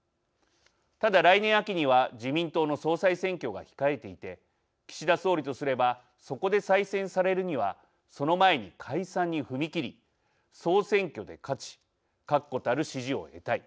ただ、来年秋には自民党の総裁選挙が控えていて岸田総理とすればそこで再選されるにはその前に解散に踏み切り総選挙で勝ち確固たる支持を得たい。